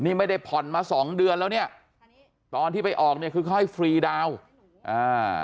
นี่ไม่ได้ผ่อนมาสองเดือนแล้วเนี่ยตอนที่ไปออกเนี่ยคือเขาให้ฟรีดาวน์อ่า